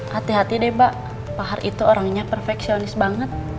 hati hati deh mbak pahar itu orangnya perfeksionis banget